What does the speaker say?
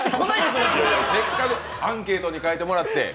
せっかくアンケートに書いてもらって。